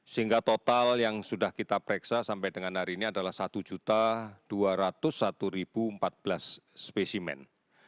sehingga total yang sudah kita pereksa sampai dengan hari ini adalah satu dua ratus satu empat belas spesimen